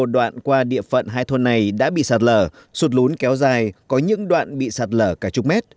đoạn qua địa phận hai thôn này đã bị sạt lở sụt lún kéo dài có những đoạn bị sạt lở cả chục mét